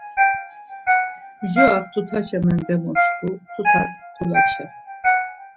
Mjorak tutaşa mendemoşku, Tutak mpulaşa.